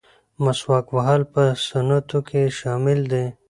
مسواک وهل په سنتو کې شامل دي.